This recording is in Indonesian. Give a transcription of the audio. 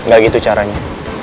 gak gitu caranya